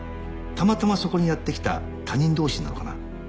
たまたまそこにやって来た他人同士なのかな？